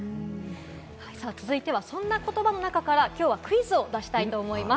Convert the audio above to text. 続いてはそんな言葉の中から今日はクイズを出したいと思います。